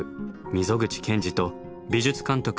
溝口健二と美術監督